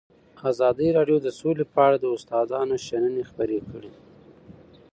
ازادي راډیو د سوله په اړه د استادانو شننې خپرې کړي.